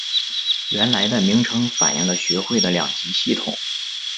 原来的名称反应了学会的两级系统。